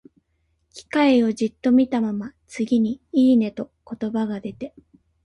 機械をじっと見たまま、次に、「いいね」と言葉が出て、